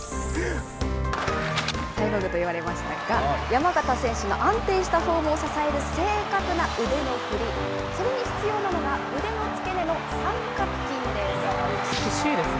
山縣選手の安定したフォームを支える正確な腕の振り、それに必要なのが、腕の付け根の三角筋です。